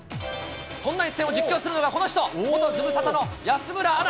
そんな一戦を実況するのがこの人、元ズムサタの安村アナ。